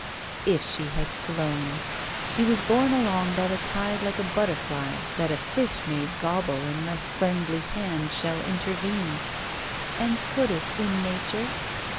If she had flown! She was borne along by the tide like a butterfly that a fish may gobble unless a friendly hand shall intervene. And could it in nature?